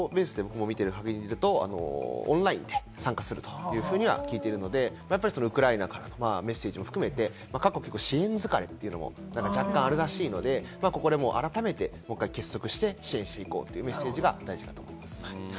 オンラインで参加するというふうには聞いているので、ウクライナからのメッセージも含めて各国、支援疲れが若干あるらしいので、改めて結束して支援していこうというメッセージが大事だと思います。